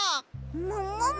ももも！？